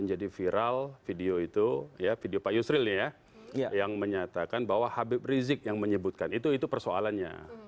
ada apa yang diperlukan